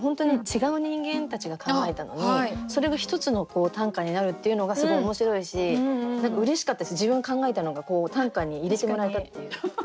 違う人間たちが考えたのにそれが一つの短歌になるっていうのがすごい面白いし何かうれしかったし自分が考えたのが短歌に入れてもらえたっていう。